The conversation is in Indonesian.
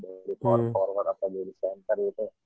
bagi north forward atau jadi center gitu